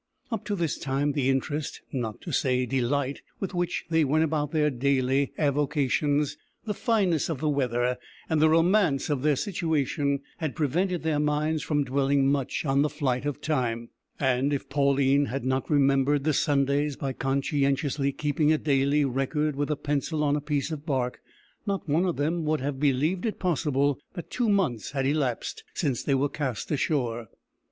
Up to this time the interest, not to say delight, with which they went about their daily avocations, the fineness of the weather, and the romance of their situation, had prevented their minds from dwelling much on the flight of time, and if Pauline had not remembered the Sundays by conscientiously keeping a daily record with a pencil on a piece of bark, not one of them would have believed it possible that two months had elapsed since they were cast ashore.